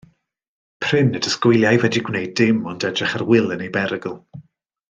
Prin y disgwyliai fedru gwneud dim ond edrych ar Wil yn ei berygl.